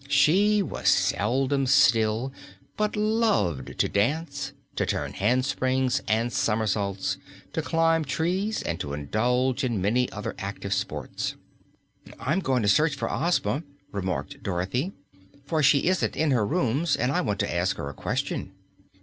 She was seldom still, but loved to dance, to turn handsprings and somersaults, to climb trees and to indulge in many other active sports. "I'm going to search for Ozma," remarked Dorothy, "for she isn't in her rooms, and I want to ask her a question."